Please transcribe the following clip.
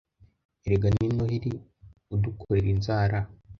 Erega ni Noheri udukorera inzara